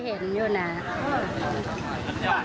แข็งแรงดี